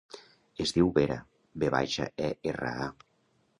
Es diu Vera: ve baixa, e, erra, a.